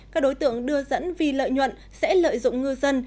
các đối tượng đưa dẫn vì lợi nhuận sẽ lợi dụng ngư dân